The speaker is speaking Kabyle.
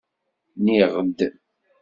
Nniɣ-d.